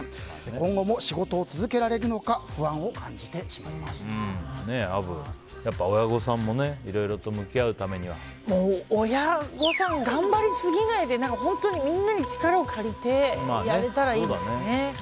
今後も仕事を続けられるのかアブ、親御さんも親御さん、頑張りすぎないで本当にみんなに力を借りてやれたらいいですね。